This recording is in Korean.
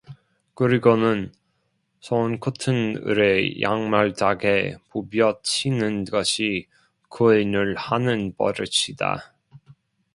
그러고는 손끝은 으레 양말짝에 부벼치는 것이 그의 늘 하는 버릇이다.